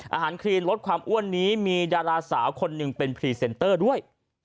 ครีนลดความอ้วนนี้มีดาราสาวคนหนึ่งเป็นพรีเซนเตอร์ด้วย